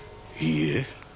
いいえ。